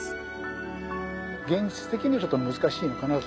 現実的にちょっと難しいのかなと。